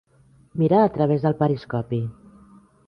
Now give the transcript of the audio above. Mira a través del periscopi.